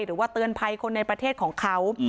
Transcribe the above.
หรือว่าเตือนภัยคนในประเทศของเขา